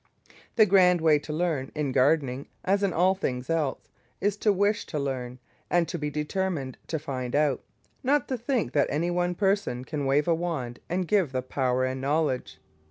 The grand way to learn, in gardening as in all things else, is to wish to learn, and to be determined to find out not to think that any one person can wave a wand and give the power and knowledge.